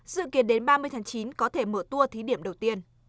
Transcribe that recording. dự kiến đến ba mươi tháng chín có thể mở tour thí điểm đầu tiên